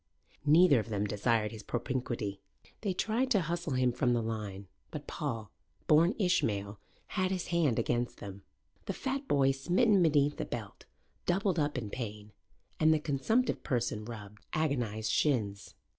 Neither of them desired his propinquity. They tried to hustle him from the line. But Paul, born Ishmael, had his hand against them. The fat boy, smitten beneath the belt, doubled up in pain and the consumptive person rubbed agonized shins.